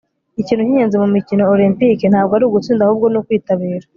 Ikintu cyingenzi mumikino olempike ntabwo ari ugutsinda ahubwo ni ukwitabira